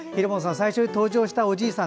最初に登場したおじいさん